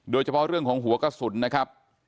โดยเฉพาะเรื่องของหัวกระสุนนะครับ